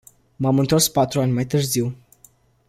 M-am întors patru ani mai târziu.